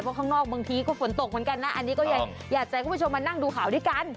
เพราะข้างนอกบางทีก็ฝนตกเหมือนกันนะอันนี้ก็อยากจะให้คุณผู้ชมมานั่งดูข่าวด้วยกัน